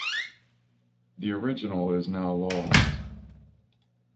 The original is now lost.